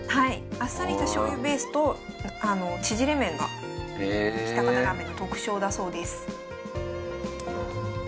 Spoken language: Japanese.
あっさりしたしょうゆベースとちぢれ麺が喜多方ラーメンの特徴だそうです。